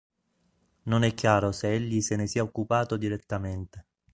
Non è chiaro se egli se ne sia occupato direttamente.